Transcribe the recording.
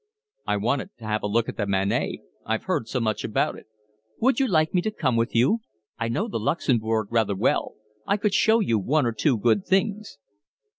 "I wanted to have a look at the Manet, I've heard so much about it." "Would you like me to come with you? I know the Luxembourg rather well. I could show you one or two good things."